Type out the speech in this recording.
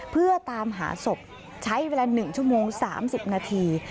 เพื่อตามหาศพใช้เวลา๑ชั่วโมง๓๐นาที